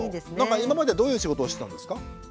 今までどういう仕事をしてたんですか？